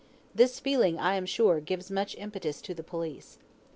This feeling, I am sure, gives much impetus to the police.